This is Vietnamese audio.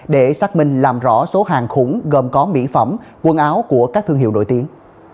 để xác minh làm rõ số hàng khủng gồm có mỹ phẩm quần áo của các thương hiệu nổi tiếng